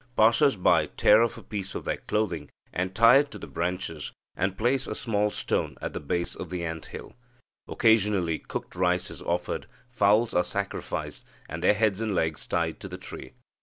Passers by tear off a piece of their clothing, and tie it to the branches, and place a small stone at the base of the ant hill. Occasionally cooked rice is offered, fowls are sacrificed, and their heads and legs tied to the tree.